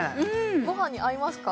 ごはんに合いますか？